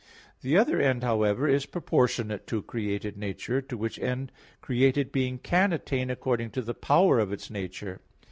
4). The other end, however, is proportionate to created nature, to which end created being can attain according to the power of its nature.